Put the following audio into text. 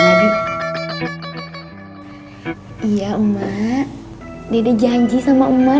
masa mau naik ga jauh kak